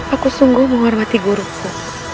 aku sungguh menghormati guruku